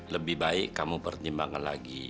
lebih baik kamu pertimbangkan lagi